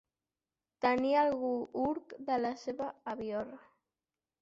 Tenir algú urc de la seva avior.